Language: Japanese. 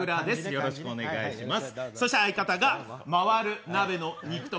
よろしくお願いします